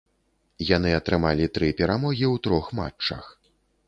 Яны атрымалі тры перамогі ў трох матчах.